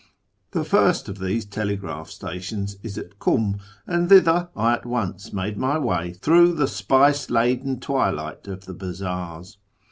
The first of these telegraph stations is at Kum, and thither I at once made my way through the spice laden twilight of the bazaars.